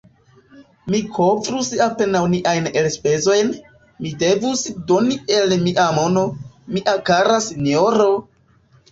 Ni kovrus apenaŭ niajn elspezojn; mi devus doni el mia mono, mia kara sinjoro!